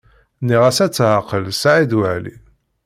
Nniɣ-as ad tɛeqleḍ Saɛid Waɛli.